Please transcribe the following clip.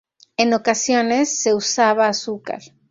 En ocasiones se usaba azúcar.